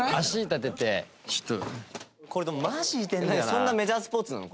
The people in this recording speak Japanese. そんなメジャースポーツなの？